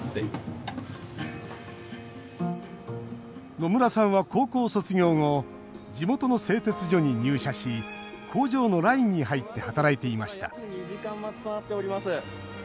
野村さんは高校卒業後地元の製鉄所に入社し工場のラインに入って働いていました。